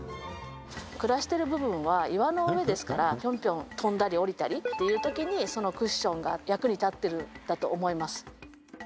暮らしてる部分は岩の上ですからピョンピョン跳んだり下りたりっていう時に、そのクッションが役に立ってるんだと思います。